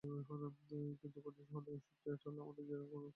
কিন্তু কঠিন হলেও সত্যটা বলি, আমাদের জয়ের ক্ষুধা অনেক কমে গেছে।